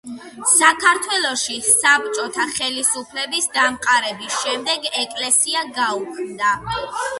საქართველოში საბჭოთა ხელისუფლების დამყარების შემდეგ ეკლესია გაუქმდა.